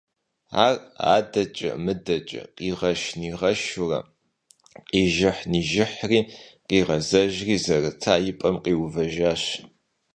Ар адэкӀэ-мыдэкӀэ къигъэш-нигъэшурэ, къижыхьщ-нижыхьри къигъэзэжри зэрыта и пӀэм къиувэжащ.